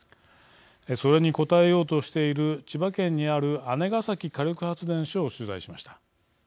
それに応えようとしている千葉県にある姉崎火力発電所を取材しました。